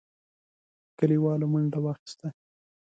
کليوالو منډه واخيسته.